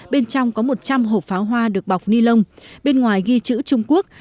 bên trong có một trăm linh hộp pháo hoa được bọc ni lông bên ngoài ghi chữ trung quốc